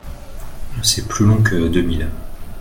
C’est plus long que deux miles.